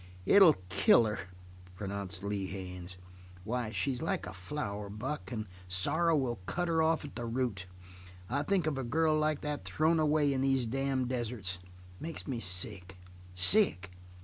"It'll kill her," pronounced Lee Haines. "Why, she's like a flower, Buck, and sorrow will cut her off at the root. Think of a girl like that thrown away in these damned deserts! It makes me sick sick!